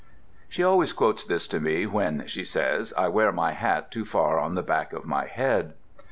She always quotes this to me when (she says) I wear my hat too far on the back of my head.